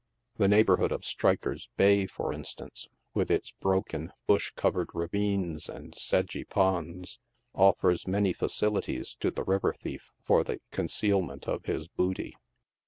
The neighborhood of Stryker's Bay, for instance, with its broken, bush covered ravines and sedgy ponds, offers many facilities to the river thief for the concealment of his booty.